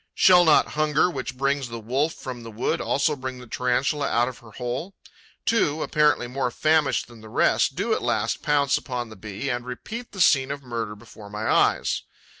Shall not hunger, which brings the wolf from the wood, also bring the Tarantula out of her hole? Two, apparently more famished than the rest, do at last pounce upon the Bee and repeat the scene of murder before my eyes.